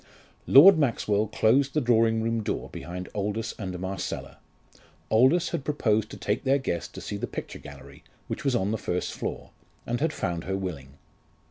Lord Maxwell closed the drawing room door behind Aldous and Marcella. Aldous had proposed to take their guest to see the picture gallery, which was on the first floor, and had found her willing.